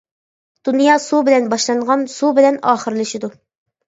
دۇنيا سۇ بىلەن باشلانغان، سۇ بىلەن ئاخىرلىشىدۇ.